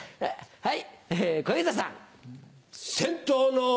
はい。